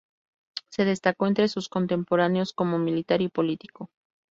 Se destacó entre sus contemporáneos como militar y político.